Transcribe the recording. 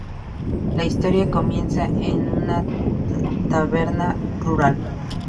La historia comienza en una taberna rural.